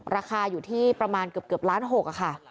ราคาอยู่ที่ประมาณเกือบล้าน๖ค่ะ